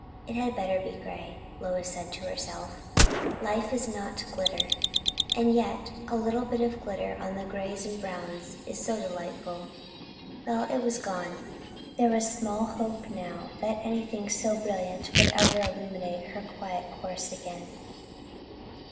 It had better be grey, Lois said to herself; life is not glitter. And yet, a little bit of glitter on the greys and browns is so delightful. Well, it was gone. There was small hope now that anything so brilliant would ever illuminate her quiet course again.